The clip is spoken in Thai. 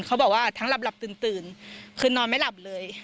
เขาบอกว่าทั้งหลับตื่นคือนอนไม่หลับเลย